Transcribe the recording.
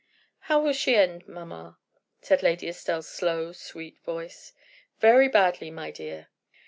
"How will she end, mamma?" said Lady Estelle's slow, sweet voice. "Very badly, my dear.